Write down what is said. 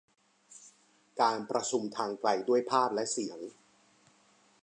การประชุมทางไกลด้วยภาพและเสียง